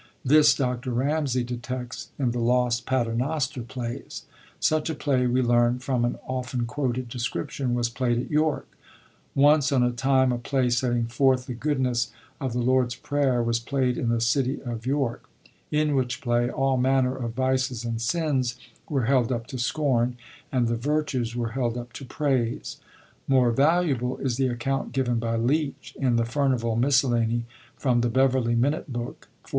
This Dr. Ramsay detects in the lost Paternoster plays. Such a play, we learn from an often quoted description, was playd at York :' Once on a time a play setting forth the goodness of the Lord's Prayer was played in the city of York ; in which play all manner of vices and sins were held up to scorn, and the virtues were held up to praise,'^ More valuable is the account given by Leach in the Fumvvall Miscellany from the Beverley Minute Book, 14d9.